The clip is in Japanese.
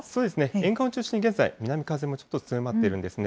沿岸を中心に現在、南風もちょっと強まっているんですね。